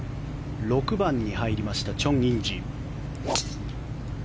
６番に入りましたチョン・インジ。